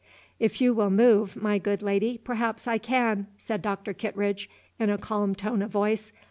"If you will move, my good lady, perhaps I can," said Doctor Kittredge, in a calm tone of voice.